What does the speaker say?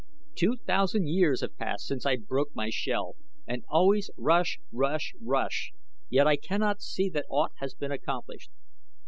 Two thousand years have passed since I broke my shell and always rush, rush, rush, yet I cannot see that aught has been accomplished.